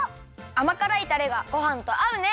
あまからいたれがごはんとあうね！